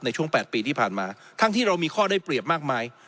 ในช่วง๘ปีที่ผ่านมาทั้งที่เรามีข้อได้เปรียบมากมาย